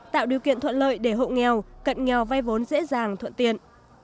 tạo điều kiện thuận lợi để hộ nghèo cận nghèo vay vốn dễ dàng thuận tiện